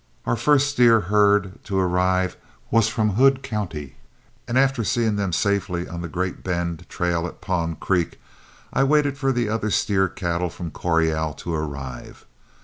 Our first steer herd to arrive was from Hood County, and after seeing them safely on the Great Bend trail at Pond Creek, I waited for the other steer cattle from Coryell to arrive.